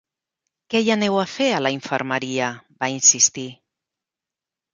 Què hi aneu a fer, a la infermeria? –va insistir.